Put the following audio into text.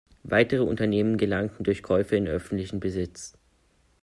Weitere Unternehmen gelangten durch Käufe in öffentlichen Besitz.